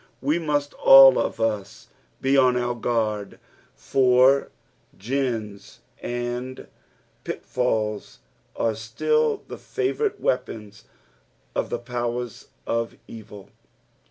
We must ail of us be on our guard, for gins and pitfalls arc still the favourite weapons of the powers of evil.